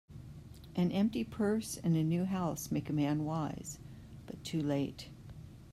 An empty purse, and a new house, make a man wise, but too late